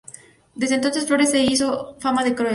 Desde entonces Flores se hizo fama de cruel.